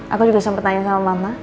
aku juga sempat tanya sama mama